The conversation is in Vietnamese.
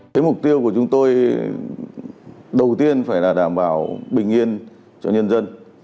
cái mục tiêu của chúng tôi đầu tiên phải là đảm bảo bình yên cho nhân dân